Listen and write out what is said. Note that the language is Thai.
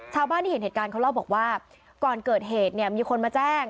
ชาวบ้านที่เห็นเหตุการณ์เขาเล่าบอกว่าก่อนเกิดเหตุเนี่ยมีคนมาแจ้ง